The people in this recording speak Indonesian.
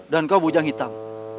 dan kau bujang hitam